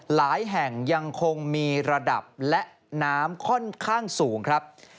หลายแห่งยังคงมีระดับและน้ำค่อนข้างสูงครับ